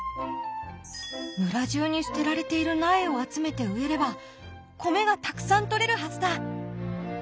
村中に捨てられている苗を集めて植えれば米がたくさん採れるはずだ。